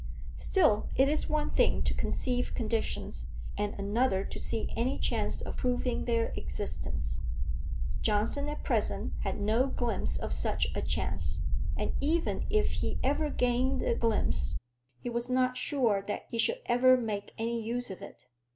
Still, it is one thing to conceive conditions, and another to see any chance of proving their existence. Johnson at present had no glimpse of such a chance; and even if he ever gained the glimpse, he was not sure that he should ever make any use of it.